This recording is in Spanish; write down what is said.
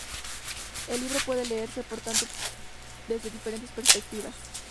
El libro puede leerse, por tanto, desde diferentes perspectivas.